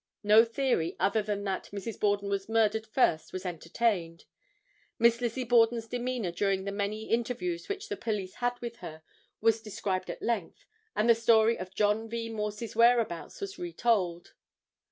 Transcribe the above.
No theory other than that Mrs. Borden was murdered first was entertained. Miss Lizzie Borden's demeanor during the many interviews which the police had with her was described at length, and the story of John V. Morse's whereabouts was retold.